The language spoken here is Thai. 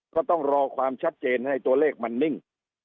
ก็ต้องรอความชัดเจนให้ตัวเลขมันนิ่ง